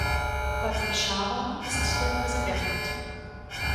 Godfrey Shawa ist der Präsident.